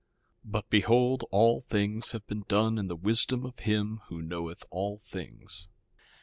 2:24 But behold, all things have been done in the wisdom of him who knoweth all things.